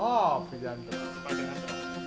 oh pegang itu